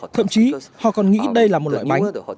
thậm chí họ còn nghĩ đây là một loại bánh